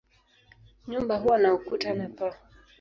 Nyumba huwa na ukuta na paa.